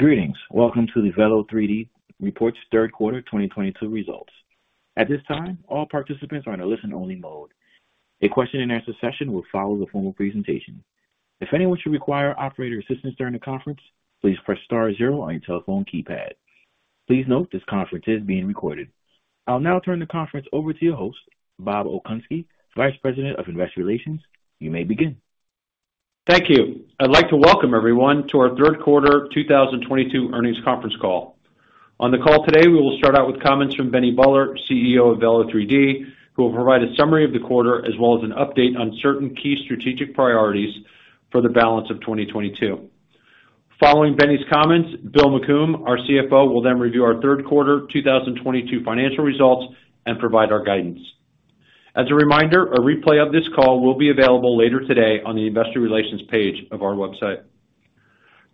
Greetings. Welcome to the Velo3D report's third quarter 2022 results. At this time, all participants are in a listen-only mode. A question and answer session will follow the formal presentation. If anyone should require operator assistance during the conference, please press star zero on your telephone keypad. Please note this conference is being recorded. I'll now turn the conference over to your host, Bob Okunski, Vice President of Investor Relations. You may begin. Thank you. I'd like to welcome everyone to our third quarter 2022 earnings conference call. On the call today, we will start out with comments from Benny Buller, CEO of Velo3D, who will provide a summary of the quarter as well as an update on certain key strategic priorities for the balance of 2022. Following Benny's comments, William McCombe, our CFO, will then review our third quarter 2022 financial results and provide our guidance. As a reminder, a replay of this call will be available later today on the investor relations page of our website.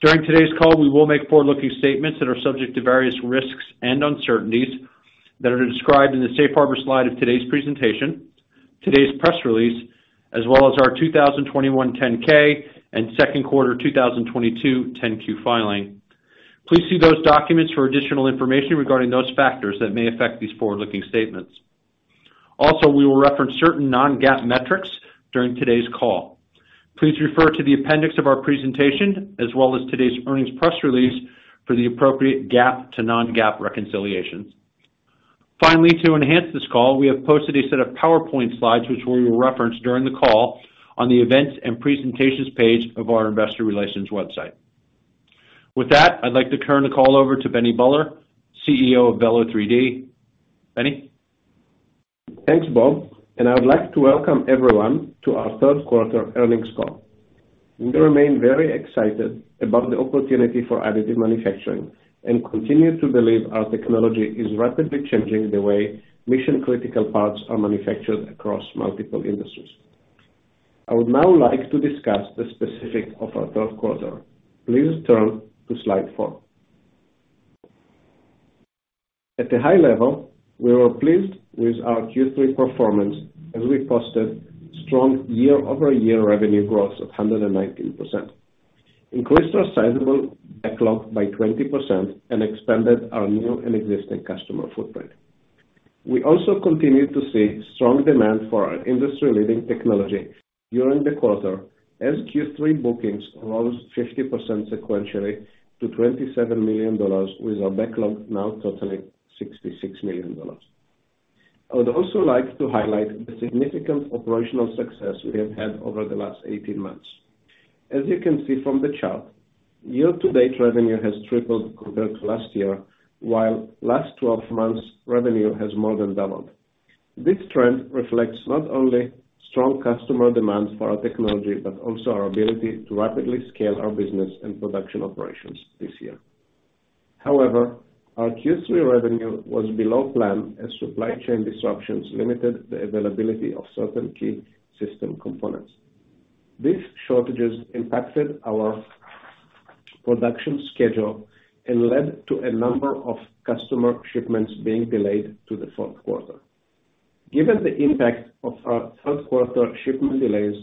During today's call, we will make forward-looking statements that are subject to various risks and uncertainties that are described in the safe harbor slide of today's presentation, today's press release, as well as our 2021 10-K and second quarter 2022 10-Q filing. Please see those documents for additional information regarding those factors that may affect these forward-looking statements. Also, we will reference certain non-GAAP metrics during today's call. Please refer to the appendix of our presentation, as well as today's earnings press release, for the appropriate GAAP to non-GAAP reconciliations. Finally, to enhance this call, we have posted a set of PowerPoint slides, which we will reference during the call, on the events and presentations page of our investor relations website. With that, I'd like to turn the call over to Benny Buller, CEO of Velo3D. Benny? Thanks, Bob. I would like to welcome everyone to our third quarter earnings call. We remain very excited about the opportunity for additive manufacturing and continue to believe our technology is rapidly changing the way mission-critical parts are manufactured across multiple industries. I would now like to discuss the specifics of our third quarter. Please turn to slide four. At the high level, we were pleased with our Q3 performance, as we posted strong year-over-year revenue growth of 119%, increased our sizable backlog by 20% and expanded our new and existing customer footprint. We also continued to see strong demand for our industry-leading technology during the quarter as Q3 bookings rose 50% sequentially to $27 million, with our backlog now totaling $66 million. I would also like to highlight the significant operational success we have had over the last 18 months. As you can see from the chart, year-to-date revenue has tripled compared to last year, while last 12 months revenue has more than doubled. This trend reflects not only strong customer demand for our technology, but also our ability to rapidly scale our business and production operations this year. However, our Q3 revenue was below plan as supply chain disruptions limited the availability of certain key system components. These shortages impacted our production schedule and led to a number of customer shipments being delayed to the fourth quarter. Given the impact of our third quarter shipment delays,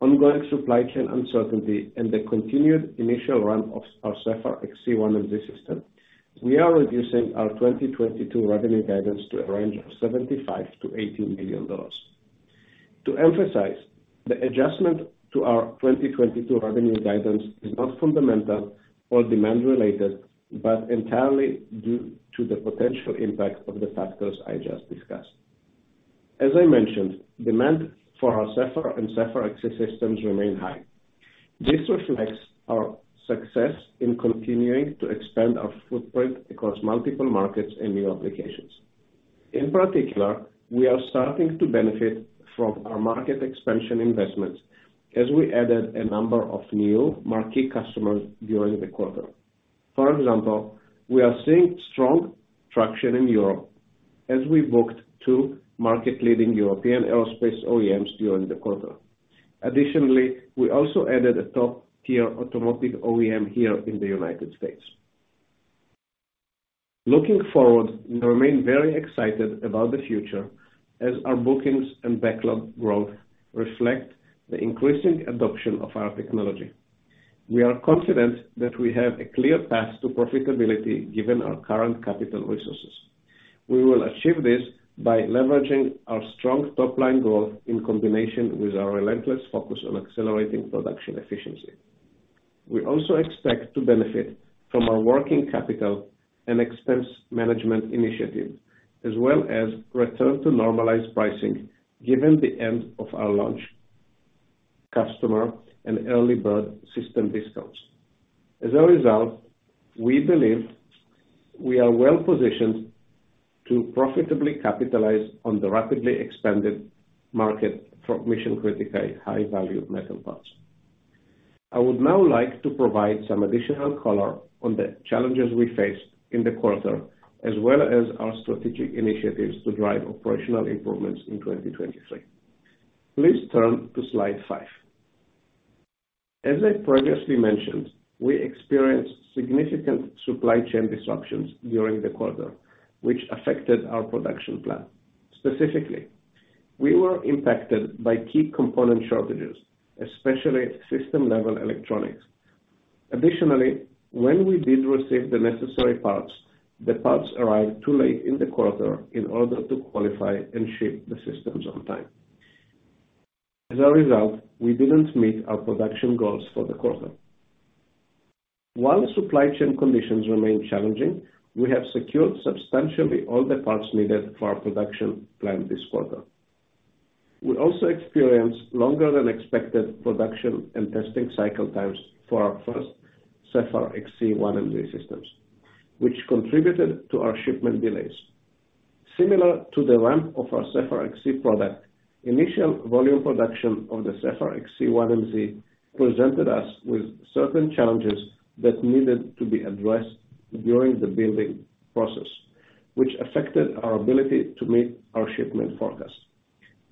ongoing supply chain uncertainty, and the continued initial run of our Sapphire XC 1MZ system, we are reducing our 2022 revenue guidance to a range of $75 million-$80 million. To emphasize, the adjustment to our 2022 revenue guidance is not fundamental or demand related, but entirely due to the potential impact of the factors I just discussed. As I mentioned, demand for our Sapphire and Sapphire XC systems remain high. This reflects our success in continuing to expand our footprint across multiple markets and new applications. In particular, we are starting to benefit from our market expansion investments as we added a number of new marquee customers during the quarter. For example, we are seeing strong traction in Europe as we booked two market-leading European aerospace OEMs during the quarter. Additionally, we also added a top-tier automotive OEM here in the U.S. Looking forward, we remain very excited about the future as our bookings and backlog growth reflect the increasing adoption of our technology. We are confident that we have a clear path to profitability given our current capital resources. We will achieve this by leveraging our strong top-line growth in combination with our relentless focus on accelerating production efficiency. We also expect to benefit from our working capital and expense management initiative as well as return to normalized pricing given the end of our launch customer and early bird system discounts. As a result, we believe we are well positioned to profitably capitalize on the rapidly expanded market for mission-critical high-value metal parts. I would now like to provide some additional color on the challenges we faced in the quarter as well as our strategic initiatives to drive operational improvements in 2023. Please turn to slide five. As I previously mentioned, we experienced significant supply chain disruptions during the quarter, which affected our production plan. Specifically, we were impacted by key component shortages, especially system-level electronics. Additionally, when we did receive the necessary parts, the parts arrived too late in the quarter in order to qualify and ship the systems on time. As a result, we didn't meet our production goals for the quarter. While the supply chain conditions remain challenging, we have secured substantially all the parts needed for our production plan this quarter. We also experienced longer than expected production and testing cycle times for our first Sapphire XC 1MZ systems, which contributed to our shipment delays. Similar to the ramp of our Sapphire XC product, initial volume production of the Sapphire XC 1MZ presented us with certain challenges that needed to be addressed during the building process, which affected our ability to meet our shipment forecast.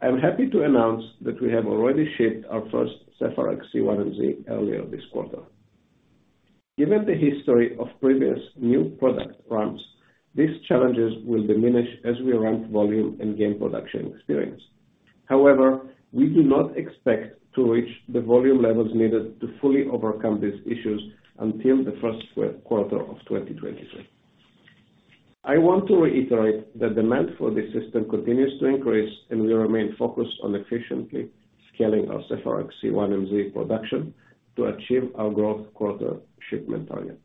I'm happy to announce that we have already shipped our first Sapphire XC 1MZ earlier this quarter. Given the history of previous new product ramps, these challenges will diminish as we ramp volume and gain production experience. However, we do not expect to reach the volume levels needed to fully overcome these issues until the first quarter of 2023. I want to reiterate that demand for this system continues to increase, and we remain focused on efficiently scaling our Sapphire XC 1MZ production to achieve our growth quarter shipment target.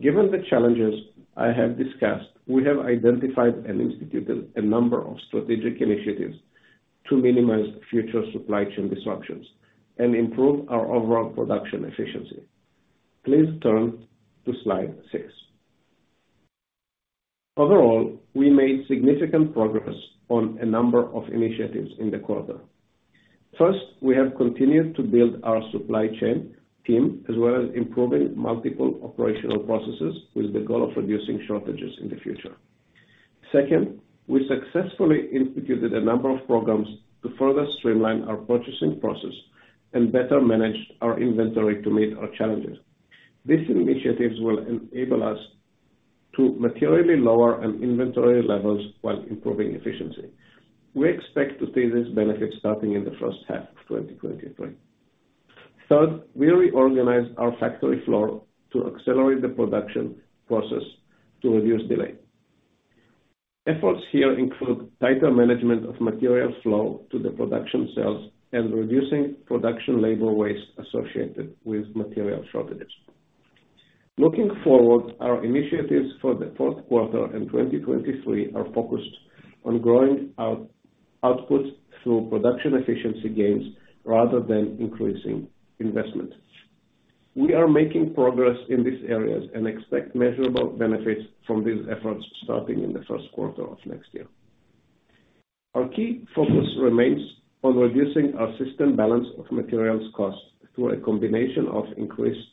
Given the challenges I have discussed, we have identified and instituted a number of strategic initiatives to minimize future supply chain disruptions and improve our overall production efficiency. Please turn to slide six. Overall, we made significant progress on a number of initiatives in the quarter. First, we have continued to build our supply chain team, as well as improving multiple operational processes with the goal of reducing shortages in the future. Second, we successfully instituted a number of programs to further streamline our purchasing process and better manage our inventory to meet our challenges. These initiatives will enable us to materially lower our inventory levels while improving efficiency. We expect to see these benefits starting in the first half of 2023. Third, we reorganized our factory floor to accelerate the production process to reduce delay. Efforts here include tighter management of material flow to the production cells and reducing production labor waste associated with material shortages. Looking forward, our initiatives for the fourth quarter in 2023 are focused on growing our output through production efficiency gains rather than increasing investment. We are making progress in these areas and expect measurable benefits from these efforts starting in the first quarter of next year. Our key focus remains on reducing our system balance of materials cost through a combination of increased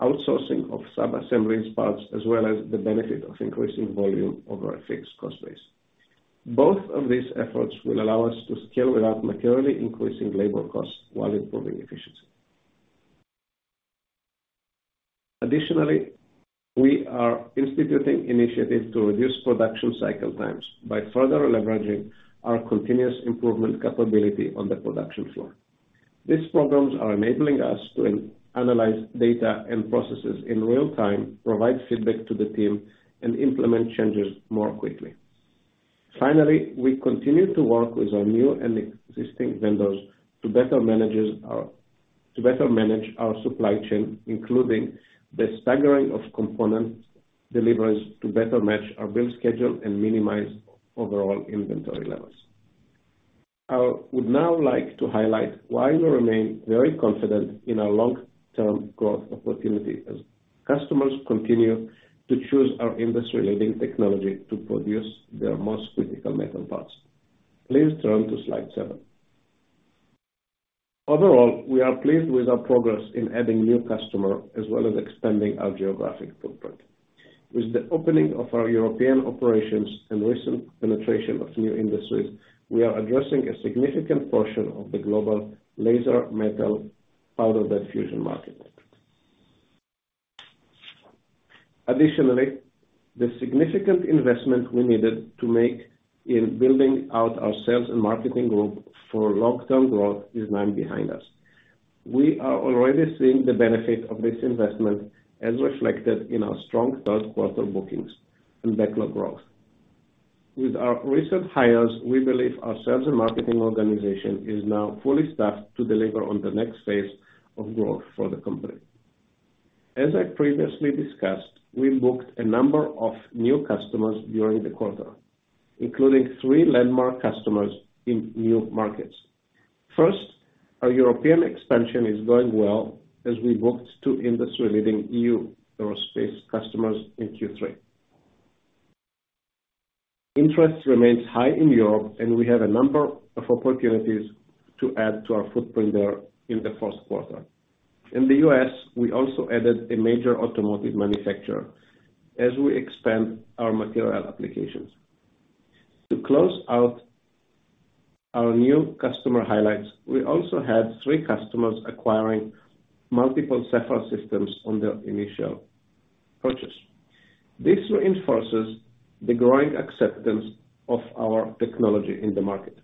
outsourcing of sub-assemblies parts, as well as the benefit of increasing volume over our fixed cost base. Both of these efforts will allow us to scale without materially increasing labor costs while improving efficiency. Additionally, we are instituting initiatives to reduce production cycle times by further leveraging our continuous improvement capability on the production floor. These programs are enabling us to analyze data and processes in real time, provide feedback to the team, and implement changes more quickly. Finally, we continue to work with our new and existing vendors to better manage our supply chain, including the staggering of component deliveries, to better match our build schedule and minimize overall inventory levels. I would now like to highlight why we remain very confident in our long-term growth opportunity as customers continue to choose our industry-leading technology to produce their most critical metal parts. Please turn to slide seven. Overall, we are pleased with our progress in adding new customer, as well as expanding our geographic footprint. With the opening of our European operations and recent penetration of new industries, we are addressing a significant portion of the global laser metal powder bed fusion market. Additionally, the significant investment we needed to make in building out our sales and marketing group for long-term growth is now behind us. We are already seeing the benefit of this investment, as reflected in our strong third quarter bookings and backlog growth. With our recent hires, we believe our sales and marketing organization is now fully staffed to deliver on the next phase of growth for the company. As I previously discussed, we booked a number of new customers during the quarter, including three landmark customers in new markets. First, our European expansion is going well as we booked two industry-leading EU aerospace customers in Q3. Interest remains high in Europe, and we have a number of opportunities to add to our footprint there in the first quarter. In the U.S., we also added a major automotive manufacturer as we expand our material applications. To close out our new customer highlights, we also had three customers acquiring multiple Sapphire systems on their initial purchase. This reinforces the growing acceptance of our technology in the market.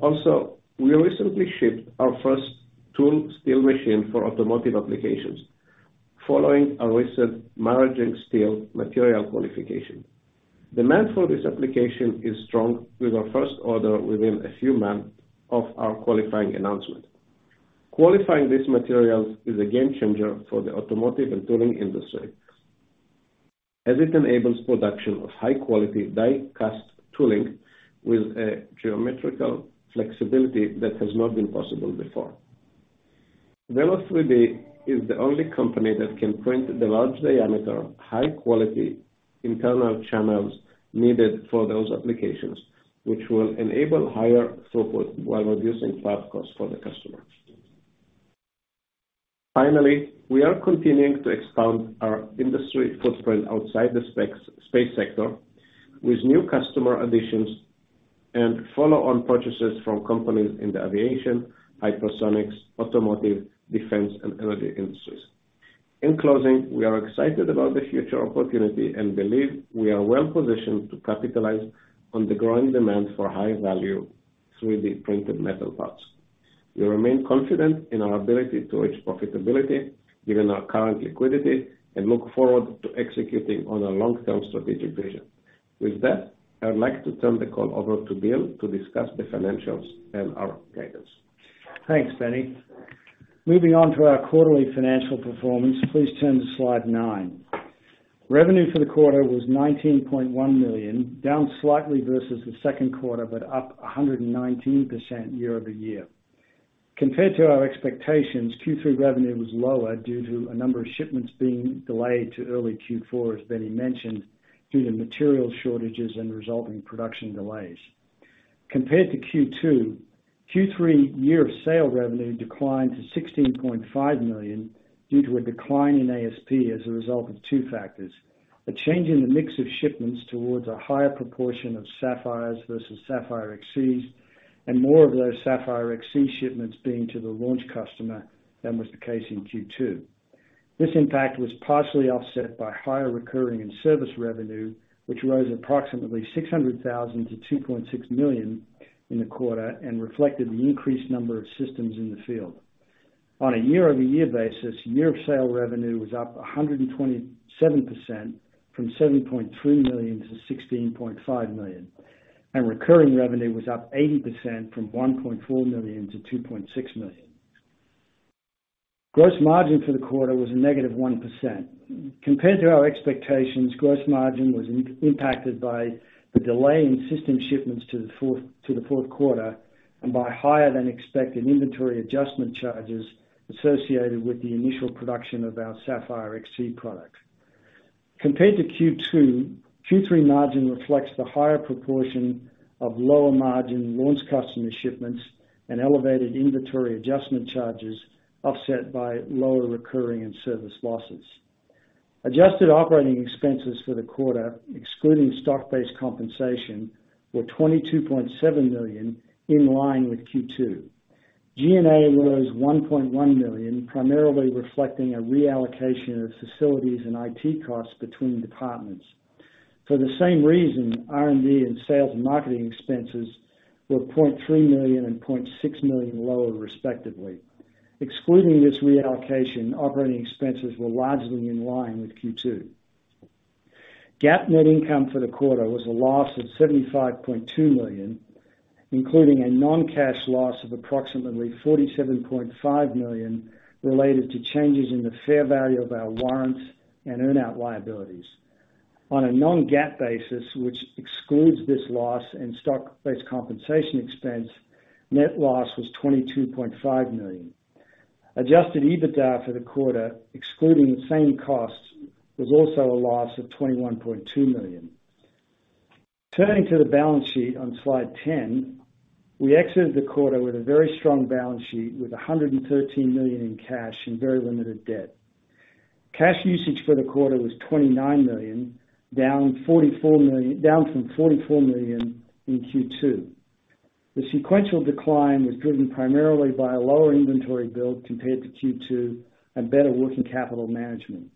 Also, we recently shipped our first tool steel machine for automotive applications, following our recent maraging steel material qualification. Demand for this application is strong, with our first order within a few months of our qualifying announcement. Qualifying these materials is a game changer for the automotive and tooling industry, as it enables production of high-quality die cast tooling with a geometrical flexibility that has not been possible before. Velo3D is the only company that can print the large diameter, high-quality internal channels needed for those applications, which will enable higher throughput while reducing part costs for the customer. Finally, we are continuing to expand our industry footprint outside the space sector with new customer additions and follow-on purchases from companies in the aviation, hypersonics, automotive, defense, and energy industries. In closing, we are excited about the future opportunity and believe we are well positioned to capitalize on the growing demand for high-value 3D printed metal parts. We remain confident in our ability to reach profitability given our current liquidity and look forward to executing on our long-term strategic vision. With that, I would like to turn the call over to Bill to discuss the financials and our guidance. Thanks, Benny. Moving on to our quarterly financial performance, please turn to slide nine. Revenue for the quarter was $19.1 million, down slightly versus the second quarter, but up 119% year-over-year. Compared to our expectations, Q3 revenue was lower due to a number of shipments being delayed to early Q4, as Benny mentioned, due to material shortages and resulting production delays. Compared to Q2, Q3 year of sale revenue declined to $16.5 million due to a decline in ASP as a result of two factors. A change in the mix of shipments towards a higher proportion of Sapphires versus Sapphire XCs, and more of those Sapphire XC shipments being to the launch customer than was the case in Q2. This impact was partially offset by higher recurring and service revenue, which rose approximately $600,000 to $2.6 million in the quarter and reflected the increased number of systems in the field. On a year-over-year basis, year of sale revenue was up 127%, from $7.3 million-$16.5 million, and recurring revenue was up 80%, from $1.4 million-$2.6 million. Gross margin for the quarter was a negative 1%. Compared to our expectations, gross margin was impacted by the delay in system shipments to the fourth quarter and by higher than expected inventory adjustment charges associated with the initial production of our Sapphire XC product. Compared to Q2, Q3 margin reflects the higher proportion of lower margin launch customer shipments and elevated inventory adjustment charges offset by lower recurring and service losses. Adjusted operating expenses for the quarter, excluding stock-based compensation, were $22.7 million, in line with Q2. G&A was $1.1 million, primarily reflecting a reallocation of facilities and IT costs between departments. For the same reason, R&D and sales and marketing expenses were $0.3 million and $0.6 million lower respectively. Excluding this reallocation, operating expenses were largely in line with Q2. GAAP net income for the quarter was a loss of $75.2 million, including a non-cash loss of approximately $47.5 million related to changes in the fair value of our warrants and earn out liabilities. On a non-GAAP basis, which excludes this loss and stock-based compensation expense, net loss was $22.5 million. Adjusted EBITDA for the quarter, excluding the same costs, was also a loss of $21.2 million. Turning to the balance sheet on slide 10, we exited the quarter with a very strong balance sheet with $113 million in cash and very limited debt. Cash usage for the quarter was $29 million, down from $44 million in Q2. The sequential decline was driven primarily by a lower inventory build compared to Q2 and better working capital management.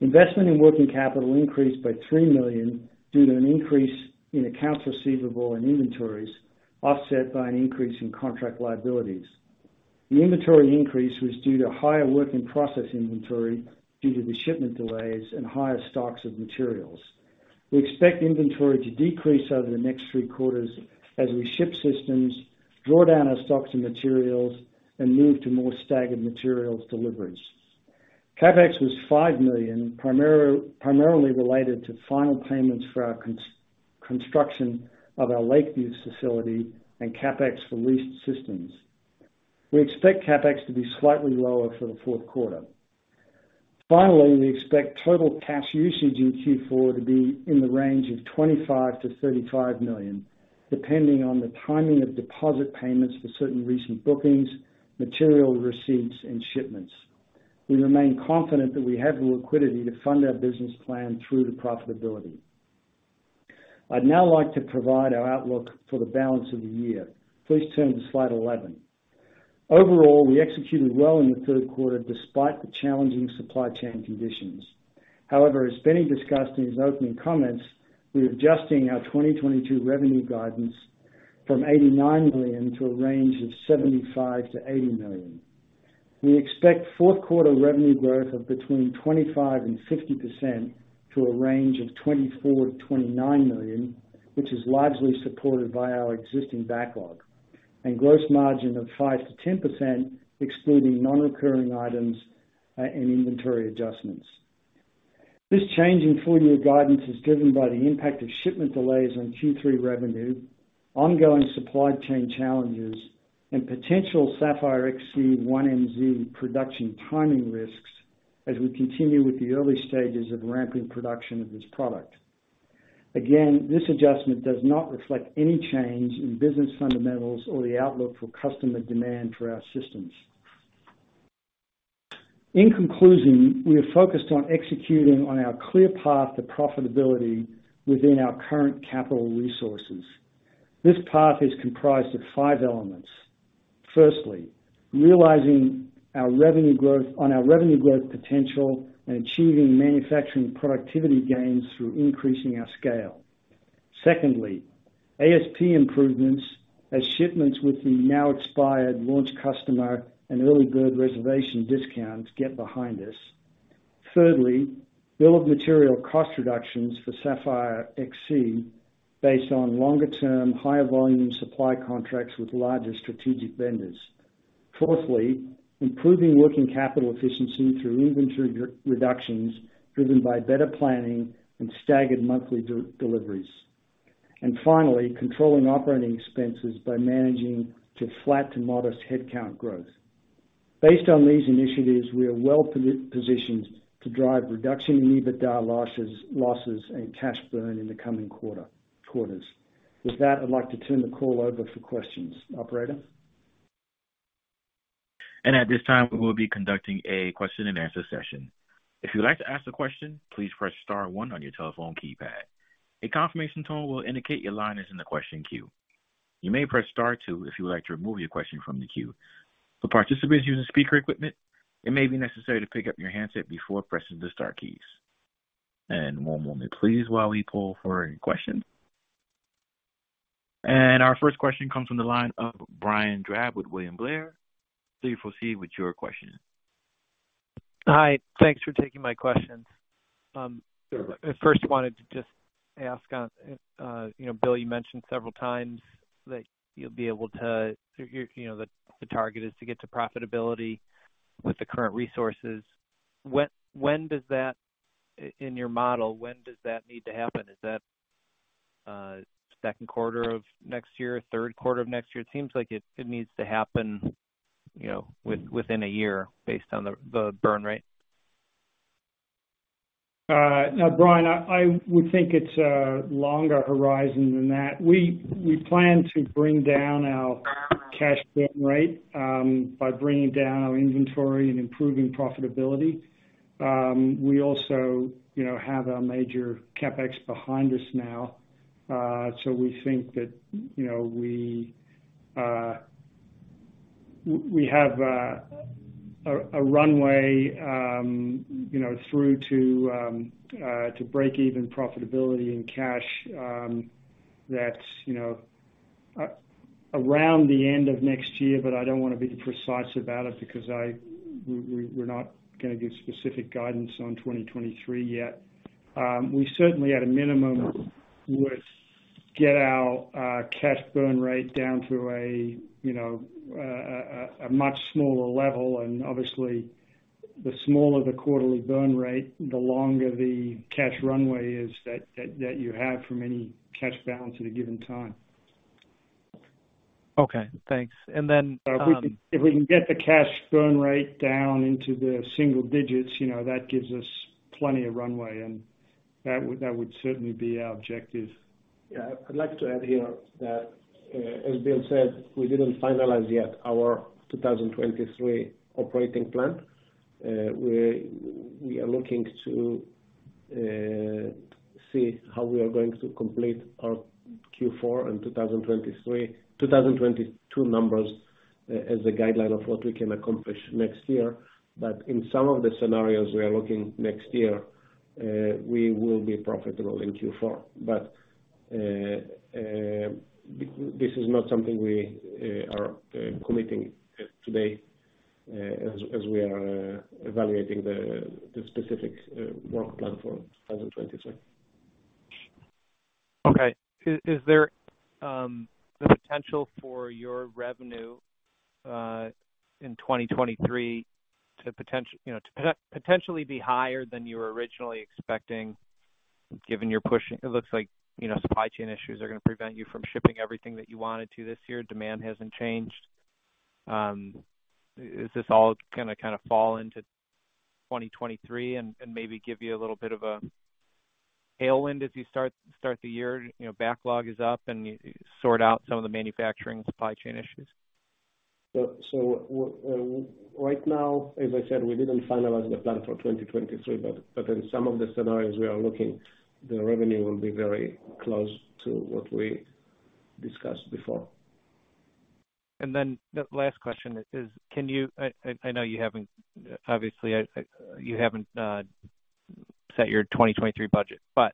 Investment in working capital increased by $3 million due to an increase in accounts receivable and inventories, offset by an increase in contract liabilities. The inventory increase was due to higher work-in-process inventory due to the shipment delays and higher stocks of materials. We expect inventory to decrease over the next three quarters as we ship systems, draw down our stocks and materials, and move to more staggered materials deliveries. CapEx was $5 million, primarily related to final payments for our construction of our Lakeview facility and CapEx for leased systems. We expect CapEx to be slightly lower for the fourth quarter. Finally, we expect total cash usage in Q4 to be in the range of $25 million-$35 million, depending on the timing of deposit payments for certain recent bookings, material receipts, and shipments. We remain confident that we have the liquidity to fund our business plan through to profitability. I'd now like to provide our outlook for the balance of the year. Please turn to slide 11. Overall, we executed well in the third quarter despite the challenging supply chain conditions. However, as Benny discussed in his opening comments, we're adjusting our 2022 revenue guidance from $89 million to a range of $75 million-$80 million. We expect fourth quarter revenue growth of between 25%-50% to a range of $24 million-$29 million, which is largely supported by our existing backlog, and gross margin of 5%-10%, excluding non-recurring items, and inventory adjustments. This change in full year guidance is driven by the impact of shipment delays on Q3 revenue, ongoing supply chain challenges, and potential Sapphire XC 1MZ production timing risks as we continue with the early stages of ramping production of this product. Again, this adjustment does not reflect any change in business fundamentals or the outlook for customer demand for our systems. In conclusion, we are focused on executing on our clear path to profitability within our current capital resources. This path is comprised of five elements. Firstly, realizing on our revenue growth potential and achieving manufacturing productivity gains through increasing our scale. Secondly, ASP improvements as shipments with the now expired launch customer and early bird reservation discounts get behind us. Thirdly, bill of material cost reductions for Sapphire XC based on longer term, higher volume supply contracts with larger strategic vendors. Fourthly, improving working capital efficiency through inventory reductions driven by better planning and staggered monthly deliveries. Finally, controlling operating expenses by managing to flat to modest headcount growth. Based on these initiatives, we are well-positioned to drive reduction in EBITDA losses and cash burn in the coming quarters. With that, I'd like to turn the call over for questions. Operator? At this time, we will be conducting a question and answer session. If you'd like to ask a question, please press star one on your telephone keypad. A confirmation tone will indicate your line is in the question queue. You may press star two if you would like to remove your question from the queue. For participants using speaker equipment, it may be necessary to pick up your handset before pressing the star keys. One moment please while we pull for any questions. Our first question comes from the line of Brian Drab with William Blair. Please proceed with your question. Hi. Thanks for taking my questions. Sure. I first wanted to just ask, Bill, you mentioned several times that the target is to get to profitability with the current resources. In your model, when does that need to happen? Is that second quarter of next year? Third quarter of next year? It seems like it needs to happen within a year based on the burn rate. Brian, I would think it's a longer horizon than that. We plan to bring down our cash burn rate by bringing down our inventory and improving profitability. We also have our major CapEx behind us now. We think that, we have a runway through to break even profitability in cash that's around the end of next year, but I don't want to be precise about it because we're not going to give specific guidance on 2023 yet. We certainly, at a minimum, would get our cash burn rate down to a much smaller level. Obviously, the smaller the quarterly burn rate, the longer the cash runway is that you have from any cash balance at a given time. Okay, thanks. If we can get the cash burn rate down into the single digits, that gives us plenty of runway, and that would certainly be our objective. I'd like to add here that, as Bill said, we didn't finalize yet our 2023 operating plan. We are looking to see how we are going to complete our Q4 in 2022 numbers as a guideline of what we can accomplish next year. In some of the scenarios we are looking next year, we will be profitable in Q4. This is not something we are committing today as we are evaluating the specific work plan for 2023. Okay. Is there the potential for your revenue, in 2023, to potentially be higher than you were originally expecting given your pushing? It looks like supply chain issues are going to prevent you from shipping everything that you wanted to this year. Demand hasn't changed. Is this all going to kind of fall into 2023 and maybe give you a little bit of a tailwind as you start the year? Backlog is up, you sort out some of the manufacturing supply chain issues. Right now, as I said, we didn't finalize the plan for 2023. In some of the scenarios we are looking, the revenue will be very close to what we discussed before. The last question is, I know, obviously, you haven't set your 2023 budget, but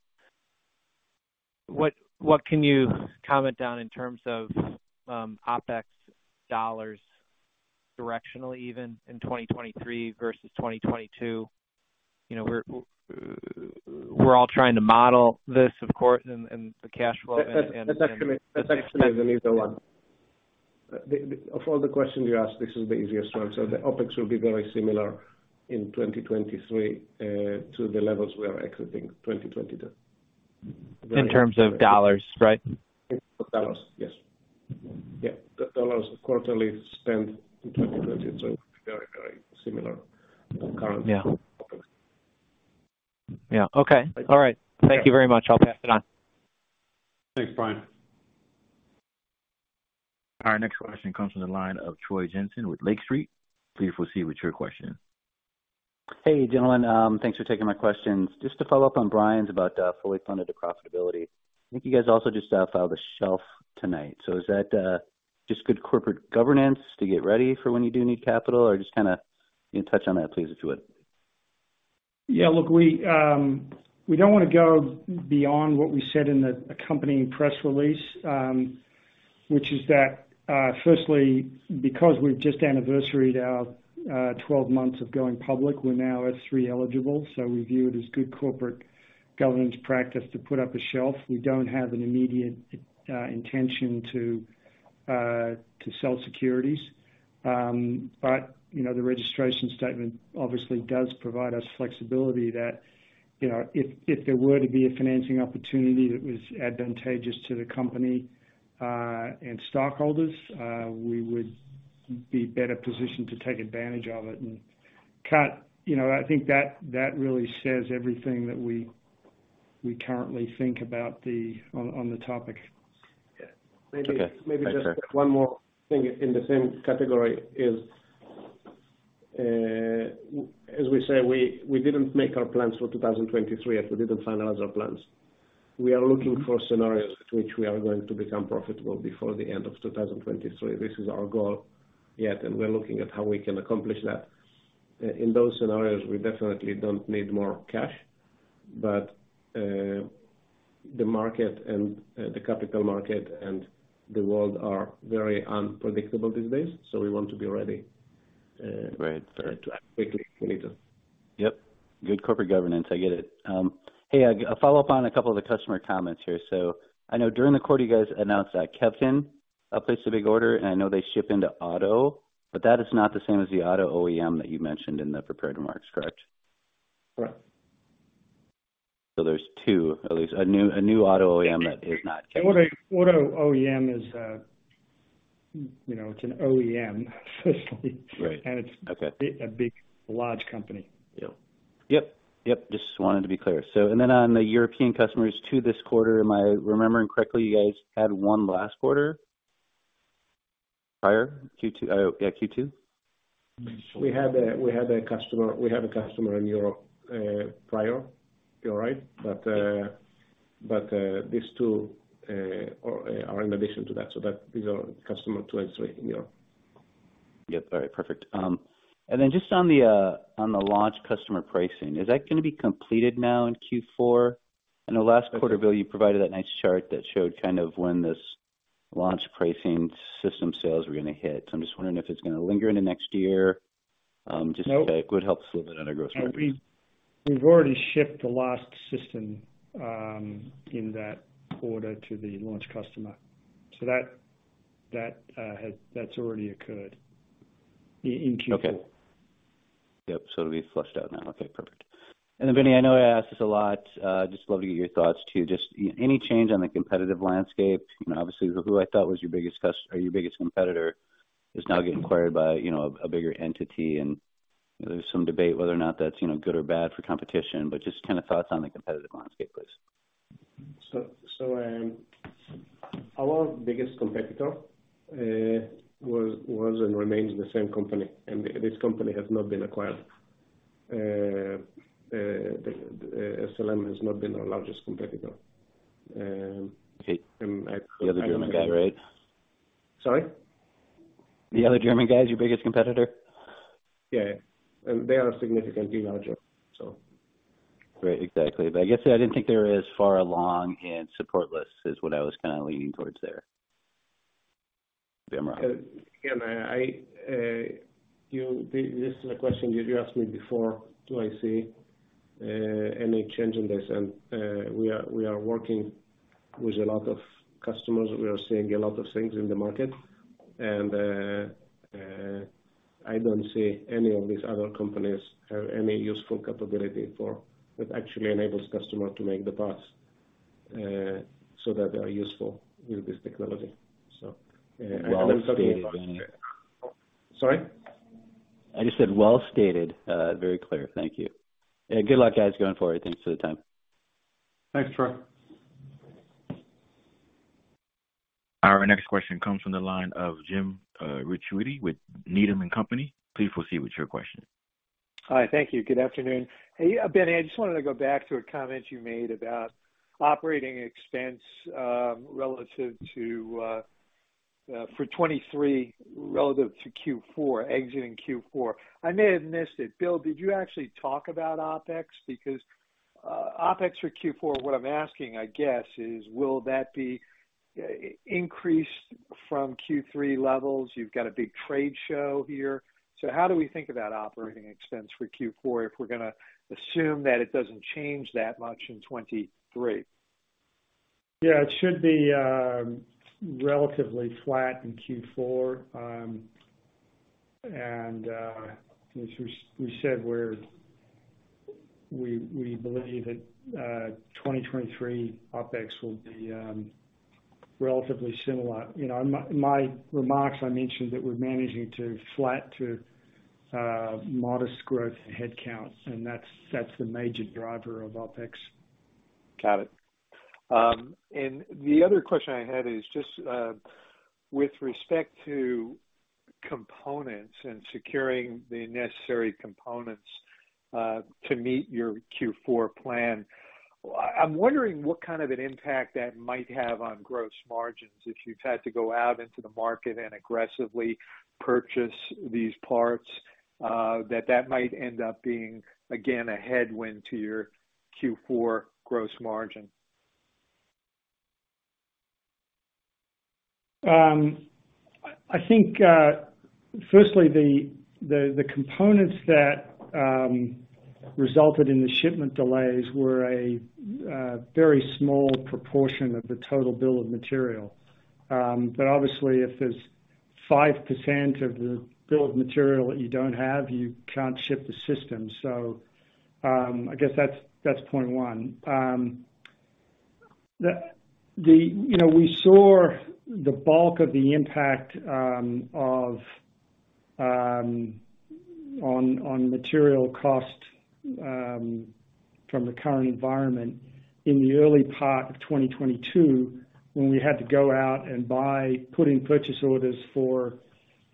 what can you comment on in terms of OpEx dollars directionally even in 2023 versus 2022? We're all trying to model this, of course, and the cash flow and- That's actually an easier one. Of all the questions you asked, this is the easiest one. The OpEx will be very similar in 2023, to the levels we are exiting 2022. In terms of dollars, right? In terms of dollars. Yes. The dollars quarterly spend in 2023 will be very similar to current OpEx. Yeah. Okay. All right. Thank you very much. I'll pass it on. Thanks, Brian. Our next question comes from the line of Troy Jensen with Lake Street. Please proceed with your question. Hey, gentlemen. Thanks for taking my questions. Just to follow up on Brian's about fully funded the profitability. I think you guys also just filed a shelf tonight. Is that just good corporate governance to get ready for when you do need capital, or just kind of touch on that, please, if you would. Yeah, look, we don't want to go beyond what we said in the accompanying press release, which is that, firstly, because we've just anniversaried our 12 months of going public, we're now S-3 eligible, so we view it as good corporate governance practice to put up a shelf. We don't have an immediate intention to sell securities. The registration statement obviously does provide us flexibility that, if there were to be a financing opportunity that was advantageous to the company, and stockholders, we would be better positioned to take advantage of it. Kat, I think that really says everything that we currently think about on the topic. Yeah. Okay. Thanks, guys. Maybe just one more thing in the same category is, as we say, we didn't make our plans for 2023, as we didn't finalize our plans. We are looking for scenarios at which we are going to become profitable before the end of 2023. This is our goal yet, and we're looking at how we can accomplish that. In those scenarios, we definitely don't need more cash, the market and the capital market and the world are very unpredictable these days, so we want to be ready. Right. To act quickly if we need to. Yep. Good corporate governance, I get it. A follow-up on a couple of the customer comments here. I know during the quarter, you guys announced that Kevton placed a big order, and I know they ship into auto, but that is not the same as the auto OEM that you mentioned in the prepared remarks, correct? Correct. There's two, at least. A new auto OEM that is not Kevton. Auto OEM is an OEM, essentially. Right. Okay. It's a big, large company. Yep. Just wanted to be clear. On the European customers, two this quarter. Am I remembering correctly, you guys had one last quarter? Prior? Yeah, Q2? We had a customer in Europe prior. You're right. These two are in addition to that, so these are customer two and three in Europe. Yep. All right. Perfect. Then just on the launch customer pricing, is that going to be completed now in Q4? I know last quarter, Bill, you provided that nice chart that showed when this launch pricing system sales were going to hit. I'm just wondering if it's going to linger into next year. Nope. Just would help us a little bit on our gross margins. We've already shipped the last system in that quarter to the launch customer. That's already occurred in Q4. Okay. Yep. It'll be flushed out now. Okay, perfect. Benny, I know I ask this a lot, just love to get your thoughts, too. Just any change on the competitive landscape? Obviously, who I thought was your biggest competitor is now getting acquired by a bigger entity, and there's some debate whether or not that's good or bad for competition. Just thoughts on the competitive landscape, please. Our biggest competitor was and remains the same company, and this company has not been acquired. SLM has not been our largest competitor. Okay. The other German guy, right? Sorry? The other German guy is your biggest competitor? Yeah. They are significantly larger. Great. Exactly. I guess I didn't think they were as far along and supportless is what I was kind of leaning towards there. This is a question you asked me before. Do I see any change in this? We are working with a lot of customers. We are seeing a lot of things in the market, and I don't see any of these other companies have any useful capability that actually enables customer to make the parts, so that they are useful with this technology. Well stated. Sorry? I just said well stated. Very clear. Thank you. Good luck guys going forward. Thanks for the time. Thanks, Troy. Our next question comes from the line of James Ricchiuti with Needham & Company. Please proceed with your question. Hi. Thank you. Good afternoon. Hey, Benny, I just wanted to go back to a comment you made about operating expense for 2023 relative to exiting Q4. I may have missed it. Bill, did you actually talk about OpEx? Because OpEx for Q4, what I'm asking, I guess, is will that be increased from Q3 levels? You've got a big trade show here. How do we think about operating expense for Q4 if we're going to assume that it doesn't change that much in 2023? Yeah, it should be relatively flat in Q4. As we said, we believe that 2023 OpEx will be relatively similar. In my remarks, I mentioned that we're managing to flat to modest growth in headcount, and that's the major driver of OpEx. Got it. The other question I had is just with respect to components and securing the necessary components to meet your Q4 plan. I'm wondering what kind of an impact that might have on gross margins if you've had to go out into the market and aggressively purchase these parts, that that might end up being, again, a headwind to your Q4 gross margin. I think, firstly, the components that resulted in the shipment delays were a very small proportion of the total bill of material. Obviously, if there's 5% of the bill of material that you don't have, you can't ship the system. I guess that's point one. We saw the bulk of the impact on material cost from the current environment in the early part of 2022 when we had to go out and put in purchase orders for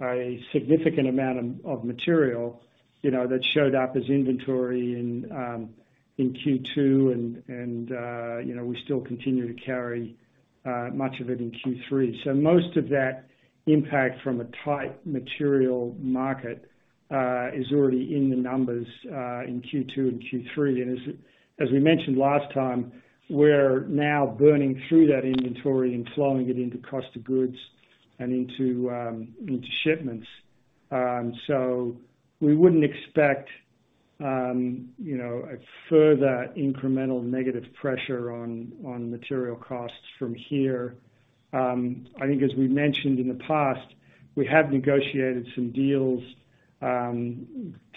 a significant amount of material that showed up as inventory in Q2, and we still continue to carry much of it in Q3. Most of that impact from a tight material market is already in the numbers in Q2 and Q3. As we mentioned last time, we're now burning through that inventory and flowing it into cost of goods and into shipments. We wouldn't expect a further incremental negative pressure on material costs from here. I think as we mentioned in the past, we have negotiated some deals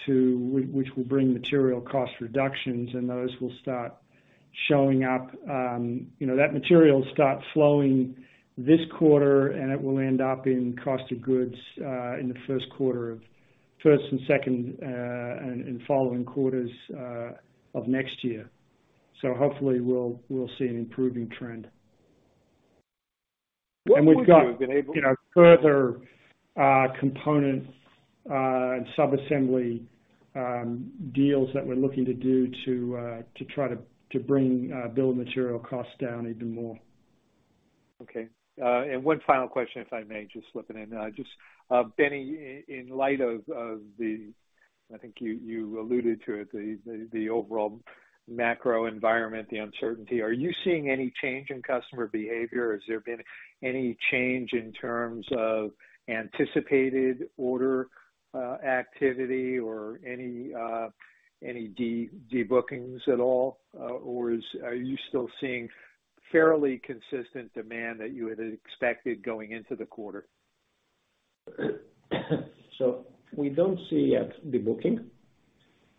which will bring material cost reductions, and those will start showing up. That material will start flowing this quarter, and it will end up in cost of goods in the first and second and following quarters of next year. Hopefully, we'll see an improving trend. What would you have been able- We've got further component and sub-assembly deals that we're looking to do to try to bring bill of material costs down even more. Okay. One final question, if I may just slip it in. Benny, in light of the, I think you alluded to it, the overall macro environment, the uncertainty, are you seeing any change in customer behavior? Has there been any change in terms of anticipated order activity or any debookings at all? Are you still seeing fairly consistent demand that you had expected going into the quarter? We don't see yet debooking.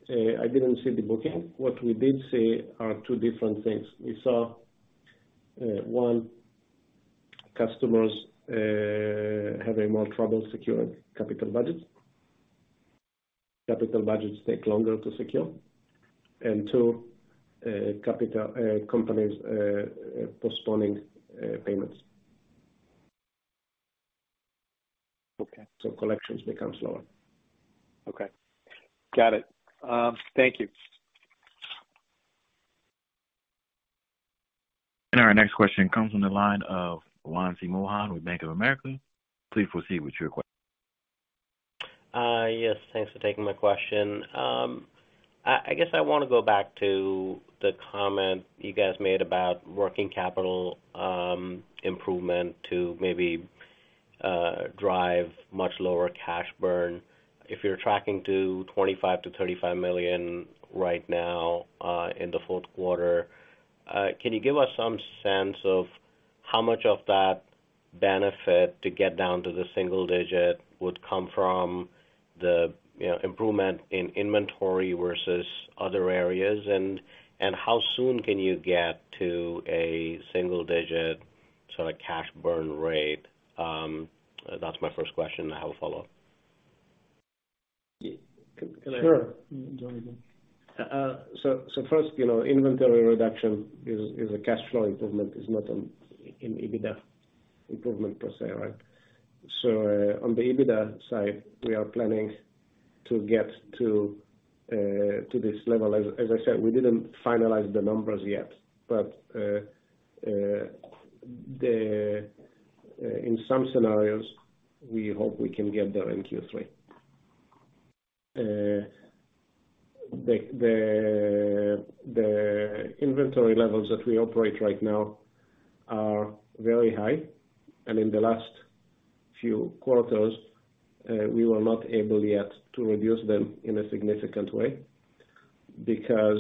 I didn't see debooking. What we did see are two different things. We saw, one, customers having more trouble securing capital budgets. Capital budgets take longer to secure. Two, companies postponing payments. Okay. Collections become slower. Okay. Got it. Thank you. Our next question comes from the line of Wamsi Mohan with Bank of America. Please proceed with your question. Yes, thanks for taking my question. I guess I want to go back to the comment you guys made about working capital improvement to maybe drive much lower cash burn. If you're tracking to $25 million-$35 million right now in the fourth quarter, can you give us some sense of how much of that benefit to get down to the single-digit would come from the improvement in inventory versus other areas? How soon can you get to a single-digit sort of cash burn rate? That's my first question. I have a follow-up. Yeah. Can I? Sure. Jon. First, inventory reduction is a cash flow improvement, is not an EBITDA improvement per se, right? On the EBITDA side, we are planning to get to this level. As I said, we didn't finalize the numbers yet, but in some scenarios, we hope we can get there in Q3. The inventory levels that we operate right now are very high, and in the last few quarters, we were not able yet to reduce them in a significant way because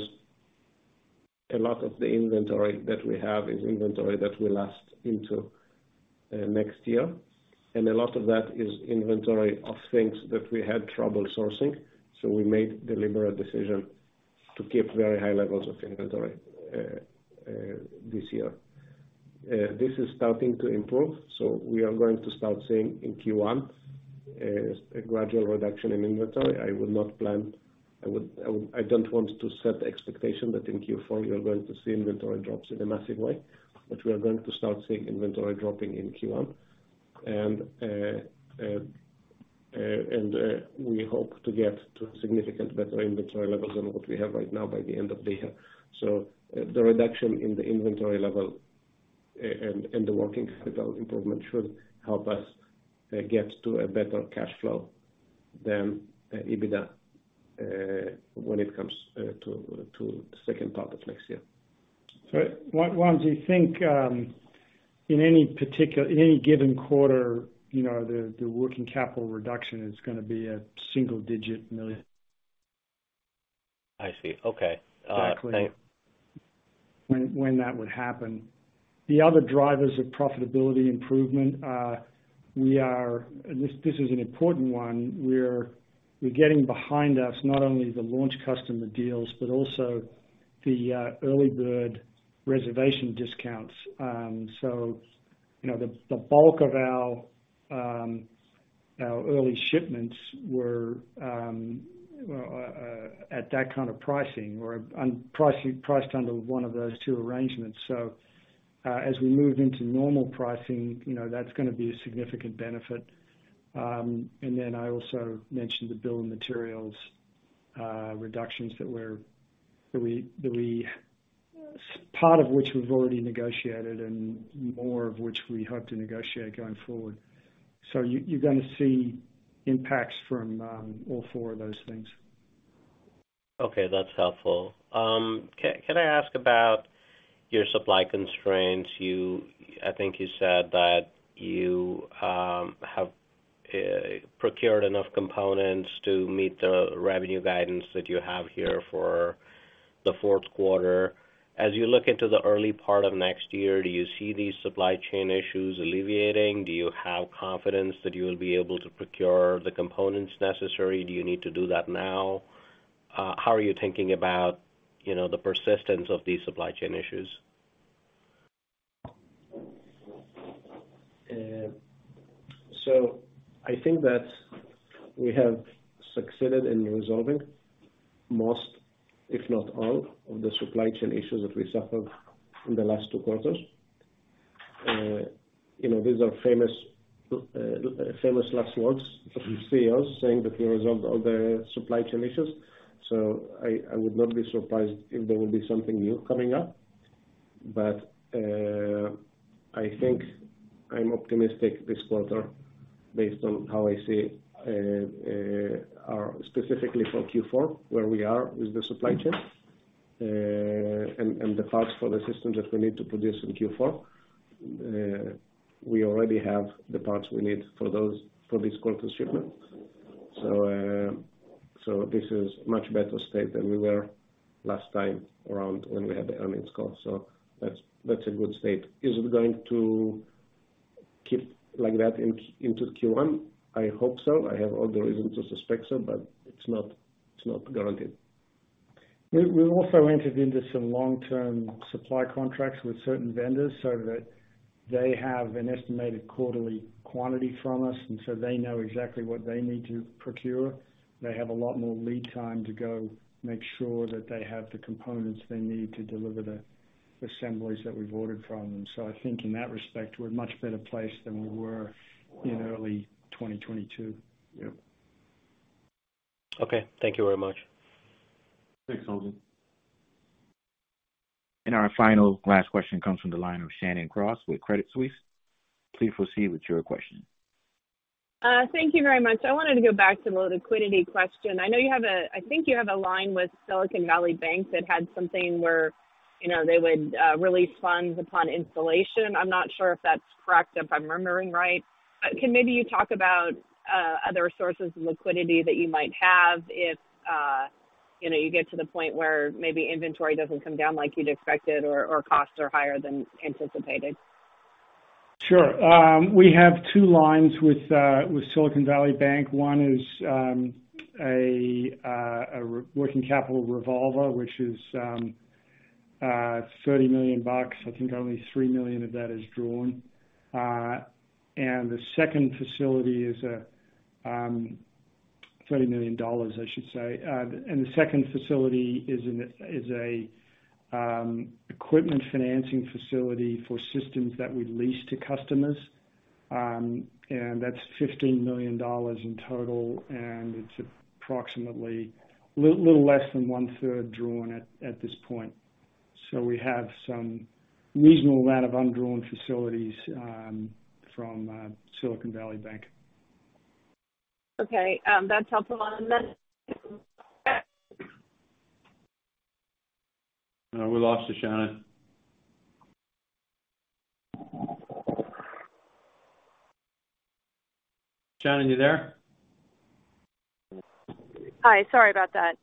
a lot of the inventory that we have is inventory that will last into next year, and a lot of that is inventory of things that we had trouble sourcing. We made the liberal decision to keep very high levels of inventory this year. This is starting to improve, so we are going to start seeing in Q1, a gradual reduction in inventory. I don't want to set the expectation that in Q4 you're going to see inventory drops in a massive way, but we are going to start seeing inventory dropping in Q1. We hope to get to significant better inventory levels than what we have right now by the end of the year. The reduction in the inventory level and the working capital improvement should help us get to a better cash flow than EBITDA, when it comes to the second part of next year. Wamsi, think, in any given quarter, the working capital reduction is going to be a single-digit million. I see. Okay. Exactly. Thank- When that would happen. The other drivers of profitability improvement, this is an important one, we're getting behind us not only the launch customer deals but also the early bird reservation discounts. The bulk of our early shipments were at that kind of pricing or priced under one of those two arrangements. As we move into normal pricing, that's going to be a significant benefit. I also mentioned the bill of materials reductions that part of which we've already negotiated and more of which we hope to negotiate going forward. You're going to see impacts from all four of those things. Okay, that's helpful. Can I ask about your supply constraints? I think you said that you have procured enough components to meet the revenue guidance that you have here for the fourth quarter. As you look into the early part of next year, do you see these supply chain issues alleviating? Do you have confidence that you will be able to procure the components necessary? Do you need to do that now? How are you thinking about the persistence of these supply chain issues? I think that we have succeeded in resolving most, if not all, of the supply chain issues that we suffered in the last two quarters. These are famous last words from CEOs saying that we resolved all the supply chain issues. I would not be surprised if there will be something new coming up. I think I'm optimistic this quarter based on how I see, specifically for Q4, where we are with the supply chain. The parts for the systems that we need to produce in Q4, we already have the parts we need for this quarter's shipment. This is much better state than we were last time around when we had the earnings call. That's a good state. Is it going to keep like that into Q1? I hope so. I have all the reason to suspect so, but it's not guaranteed. We also entered into some long-term supply contracts with certain vendors so that they have an estimated quarterly quantity from us. They know exactly what they need to procure. They have a lot more lead time to go make sure that they have the components they need to deliver the assemblies that we've ordered from them. I think in that respect, we're in much better place than we were in early 2022. Yep. Okay. Thank you very much. Thanks, Wamsi. Our final, last question comes from the line of Shannon Cross with Credit Suisse. Please proceed with your question. Thank you very much. I wanted to go back to the liquidity question. I think you have a line with Silicon Valley Bank that had something where they would release funds upon installation. I'm not sure if that's correct, if I'm remembering right. Can maybe you talk about other sources of liquidity that you might have if you get to the point where maybe inventory doesn't come down like you'd expected or costs are higher than anticipated? Sure. We have two lines with Silicon Valley Bank. One is a working capital revolver, $30 million. I think only $3 million of that is drawn. The second facility is a $30 million, I should say. The second facility is an equipment financing facility for systems that we lease to customers. That's $15 million in total, and it's approximately a little less than one-third drawn at this point. We have some reasonable amount of undrawn facilities from Silicon Valley Bank. Okay. That's helpful. We lost you, Shannon. Shannon, you there? Hi. Sorry about that.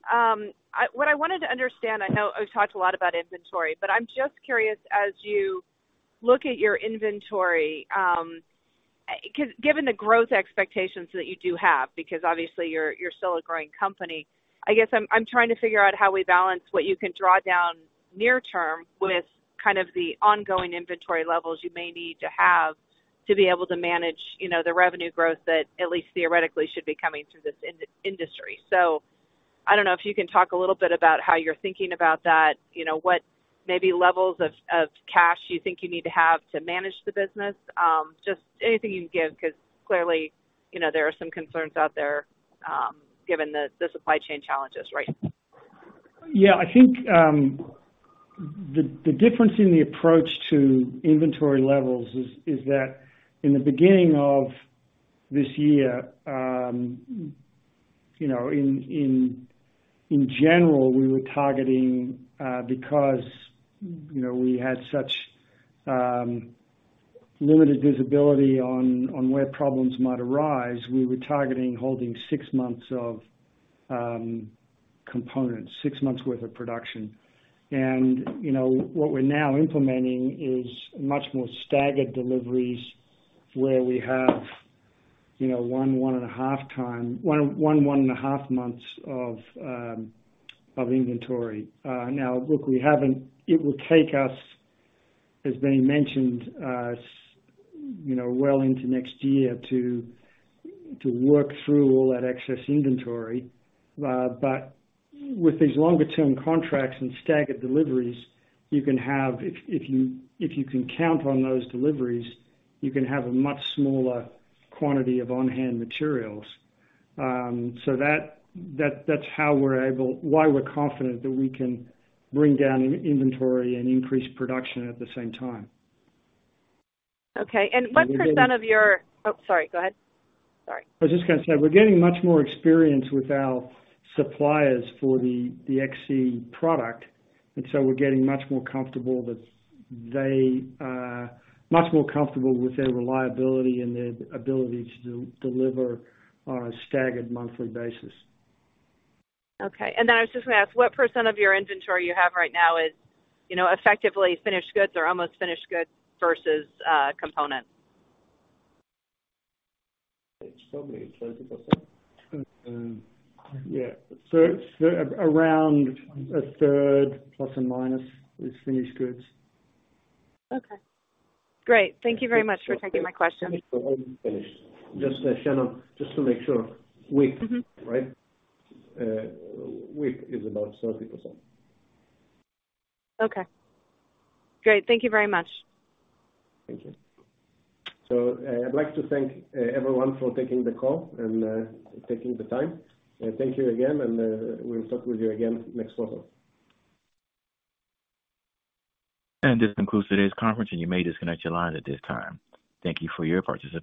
What I wanted to understand, I know we've talked a lot about inventory. I'm just curious as you look at your inventory, given the growth expectations that you do have, because obviously you're still a growing company. I guess I'm trying to figure out how we balance what you can draw down near term with kind of the ongoing inventory levels you may need to have to be able to manage the revenue growth that at least theoretically should be coming through this industry. I don't know if you can talk a little bit about how you're thinking about that. What maybe levels of cash you think you need to have to manage the business? Just anything you can give, because clearly, there are some concerns out there, given the supply chain challenges right now. I think the difference in the approach to inventory levels is that in the beginning of this year, in general, we were targeting because we had such limited visibility on where problems might arise, we were targeting holding six months of components, six months worth of production. What we're now implementing is much more staggered deliveries where we have one and a half months of inventory. Now, look, it will take us, as been mentioned, well into next year to work through all that excess inventory. With these longer term contracts and staggered deliveries, if you can count on those deliveries, you can have a much smaller quantity of on-hand materials. That's why we're confident that we can bring down inventory and increase production at the same time. Okay. What % of your Oh, sorry. Go ahead. Sorry. I was just going to say, we're getting much more experience with our suppliers for the XC product, and so we're getting much more comfortable with their reliability and their ability to deliver on a staggered monthly basis. Okay. I was just going to ask, what % of your inventory you have right now is effectively finished goods or almost finished goods versus components? It's probably 30%. Yeah. It's around a third plus or minus is finished goods. Okay. Great. Thank you very much for taking my question. Shannon, just to make sure. WIP, right? WIP is about 30%. Okay. Great. Thank you very much. Thank you. I'd like to thank everyone for taking the call and taking the time. Thank you again, and we'll talk with you again next quarter. This concludes today's conference, and you may disconnect your lines at this time. Thank you for your participation